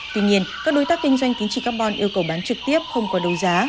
tuy nhiên các đối tác kinh doanh tính trị carbon yêu cầu bán trực tiếp không qua đấu giá